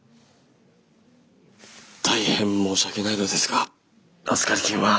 大変申し訳ないのですが預かり金は。